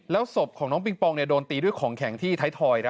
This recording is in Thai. ศพของน้องปิงปองโดนตีด้วยของแข็งที่ไทยทอย